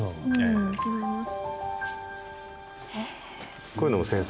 うん違います。